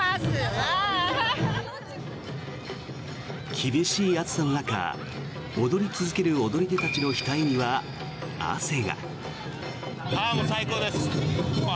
厳しい暑さの中踊り続ける踊り手たちの額には汗が。